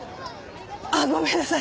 あっごめんなさい。